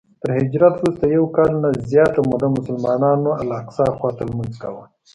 تر هجرت وروسته یو کال نه زیاته موده مسلمانانو الاقصی خواته لمونځ کاوه.